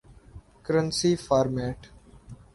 currency format